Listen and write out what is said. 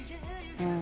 うん。